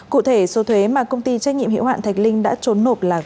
cụ thể số thuế mà công ty trách nhiệm hiệu hạn thạch linh đã trốn nộp là gần một tỷ đồng